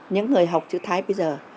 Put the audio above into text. những người học chữ thái bây giờ